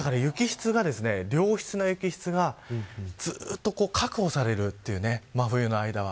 良質な雪質がずっと確保されるという真冬の間は。